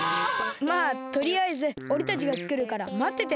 まあとりあえずおれたちがつくるからまってて。